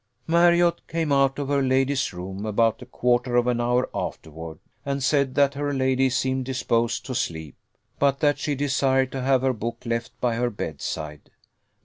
Marriott came out of her lady's room about a quarter of an hour afterward, and said that her lady seemed disposed to sleep, but that she desired to have her hook left by her bedside.